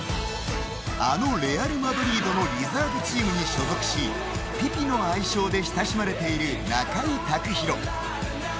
あのレアル・マドリードのリザーブチームに所属しピピの愛称で親しまれている中井卓大。